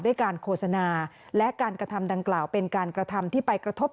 การโฆษณาและการกระทำดังกล่าวเป็นการกระทำที่ไปกระทบ